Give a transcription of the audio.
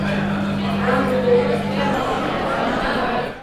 Иван Егорович трубкам нале.